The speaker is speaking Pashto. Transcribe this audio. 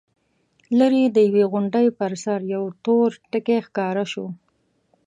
ليرې د يوې غونډۍ پر سر يو تور ټکی ښکاره شو.